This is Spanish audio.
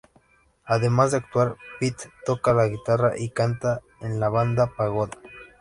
Además de actuar, Pitt toca la guitarra y canta en la banda Pagoda.